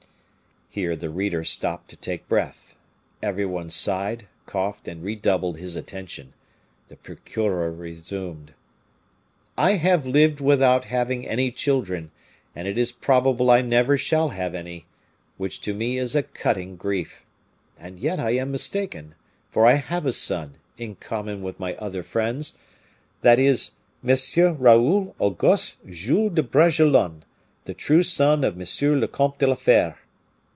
Here the reader stopped to take breath. Every one sighed, coughed, and redoubled his attention. The procureur resumed: "I have lived without having any children, and it is probable I never shall have any, which to me is a cutting grief. And yet I am mistaken, for I have a son, in common with my other friends; that is, M. Raoul Auguste Jules de Bragelonne, the true son of M. le Comte de la Fere.